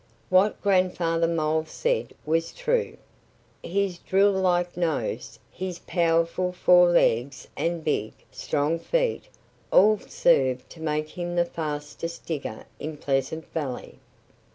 What Grandfather Mole said was true. His drill like nose, his powerful fore legs and big, strong feet all served to make him the fastest digger in Pleasant Valley.